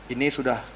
ini sudah selesai